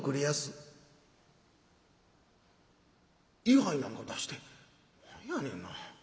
「位はいなんか出して何やねんな。